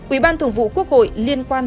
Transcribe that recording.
ủy ban thường vụ quốc hội liên quan